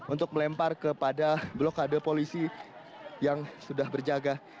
untuk melempar kepada blokade polisi yang sudah berjaga